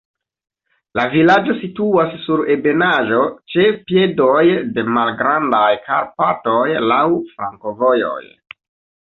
La vilaĝo situas sur ebenaĵo ĉe piedoj de Malgrandaj Karpatoj, laŭ flankovojoj.